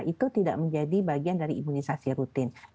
itu tidak menjadi bagian dari imunisasi rutin